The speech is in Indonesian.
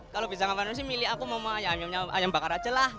kalau bisa ngapain milih aku mau ayamnya ayam bakar saja